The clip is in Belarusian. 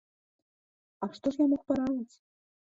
А што ж я мог параіць?